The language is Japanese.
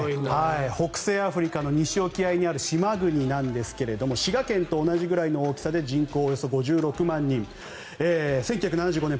北西アフリカの西沖合にある島国なんですが滋賀県と同じぐらいの大きさで人口およそ５６万人１９７５年